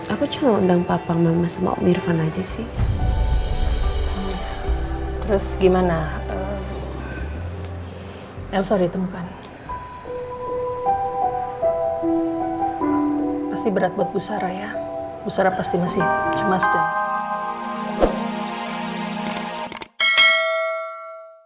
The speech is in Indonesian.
aku cuma ngundang papa mama semua mirvan aja sih